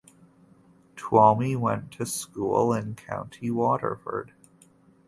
Twomey went to school in County Waterford.